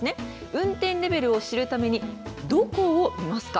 運転レベルを知るためにどこを見ますか。